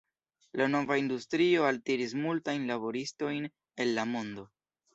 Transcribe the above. La nova industrio altiris multajn laboristojn el la mondo.